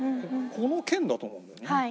この腱だと思うんだよね。